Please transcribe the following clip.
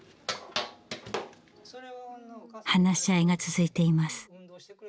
話し合いが続いています。